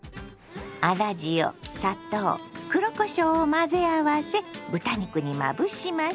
粗塩砂糖黒こしょうを混ぜ合わせ豚肉にまぶします。